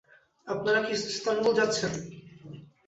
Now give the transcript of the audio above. আপনারা কি ইস্তানবুল যাচ্ছেন?